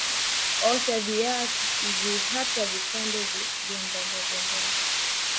Osha viazi kata vipande vyembamba